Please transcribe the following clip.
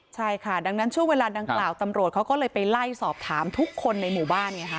ใช่ค่ะดังนั้นช่วงเวลาดังกล่าวตำรวจเขาก็เลยไปไล่สอบถามทุกคนในหมู่บ้านไงคะ